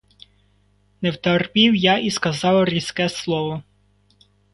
Не втерпів я і сказав різке слово.